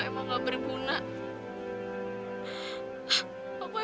aku emang gak berguna sama sekali